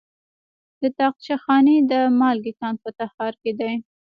د طاقچه خانې د مالګې کان په تخار کې دی.